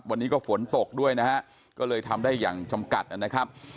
วันนี้ก็ฝนตกด้วยนะฮะก็เลยทำได้อย่างจำกัดนะครับ